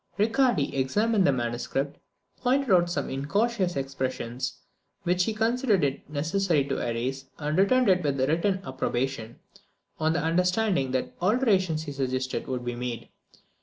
Riccardi examined the manuscript, pointed out some incautious expressions which he considered it necessary to erase, and returned it with his written approbation, on the understanding that the alterations he suggested would be made.